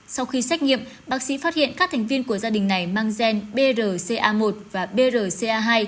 sau khi xét nghiệm bác sĩ phát hiện các thành viên của gia đình này mang gen brca một và brca hai